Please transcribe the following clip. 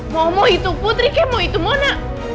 mau mau itu putri kek mau itu mona